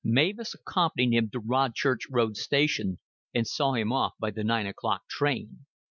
Mavis accompanied him to Rodchurch Road Station, and saw him off by the nine o'clock train.